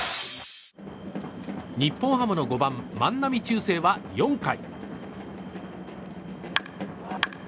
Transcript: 日本ハムの５番、万波中正は４回。